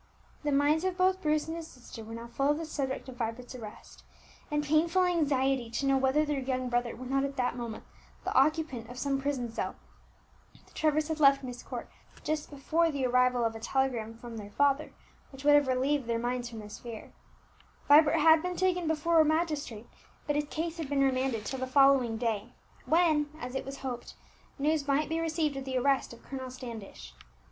The minds of both Bruce and his sister were now full of the subject of Vibert's arrest, and painful anxiety to know whether their younger brother were not at that moment the occupant of some prison cell. The Trevors had left Myst Court just before the arrival of a telegram from their father which would have relieved their minds from this fear. Vibert had been taken before a magistrate, but his case had been remanded till the following day, when, as it was hoped, news might be received of the arrest of Colonel Standish.